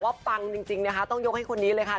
ปังจริงนะคะต้องยกให้คนนี้เลยค่ะ